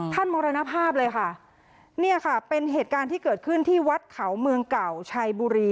มรณภาพเลยค่ะเนี่ยค่ะเป็นเหตุการณ์ที่เกิดขึ้นที่วัดเขาเมืองเก่าชัยบุรี